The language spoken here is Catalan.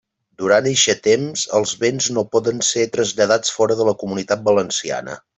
Durant eixe temps, els béns no poden ser traslladats fora de la Comunitat Valenciana.